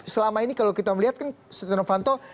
selama ini kalau kita melihat kan setia novanto